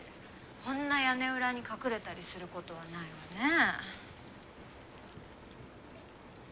こんな屋根裏に隠れたりすることはないわねぇ。